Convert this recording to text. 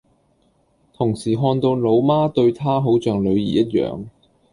同時看到老媽對她好像女兒一樣